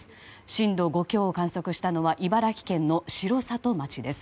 震度５強を観測したのは茨城県の城里町です。